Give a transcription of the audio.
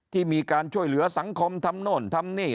ที่มีการช่วยเหลือสังคมทำโน่นทำนี่